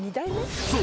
［そう。